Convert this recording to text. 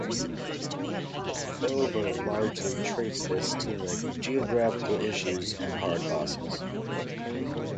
Provo largely traced this to the graphical issues and hard bosses.